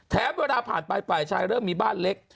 แถมเวลาผ่านไปชายเริ่มมีบ้านเล็ก